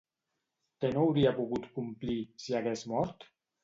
Què no hauria pogut complir, si s'hagués mort?